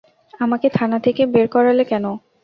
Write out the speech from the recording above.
আমাকে থানা থেকে বের করালে কেন?